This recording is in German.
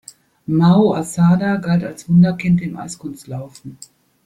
Mao Asada galt als „Wunderkind“ im Eiskunstlaufen.